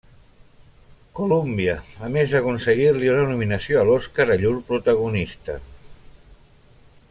Colúmbia, a més d'aconseguir-li una nominació a l'Oscar a llur protagonista.